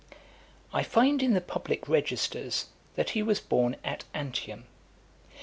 I find in the public registers that he was born at Antium.